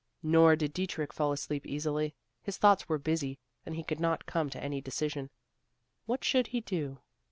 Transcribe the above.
Nor did Dietrich fall asleep easily. His thoughts were busy and he could not come to any decision. What should he do?